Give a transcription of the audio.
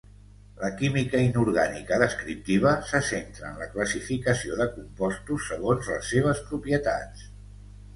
La química inorgànica descriptiva se centra en la classificació de compostos segons les seves propietats.